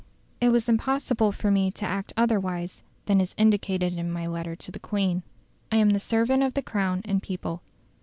It was impossible for me to act otherwise than is indicated in my letter to the Queen. I am the servant of the Crown and people.